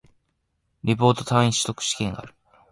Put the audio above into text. リポート、単位習得試験がある